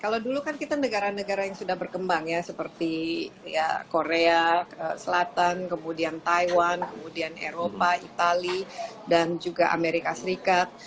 kalau dulu kan kita negara negara yang sudah berkembang ya seperti korea selatan kemudian taiwan kemudian eropa itali dan juga amerika serikat